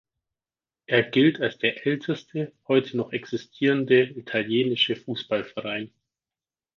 Er gilt als der älteste heute noch existierende italienische Fußballverein.